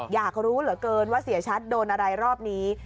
อยากรู้เหลือเกินว่าเสียชัดโดนอะไรรอบนี้